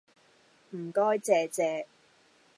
唔該借借